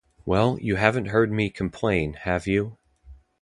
Well, you haven't heard me complain, have you?